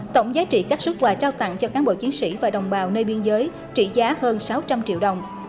tổng giá trị các xuất quà trao tặng cho cán bộ chiến sĩ và đồng bào nơi biên giới trị giá hơn sáu trăm linh triệu đồng